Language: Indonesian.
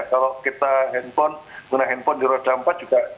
kalau kita handphone guna handphone di roda empat juga